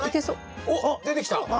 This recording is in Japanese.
おっ出てきた！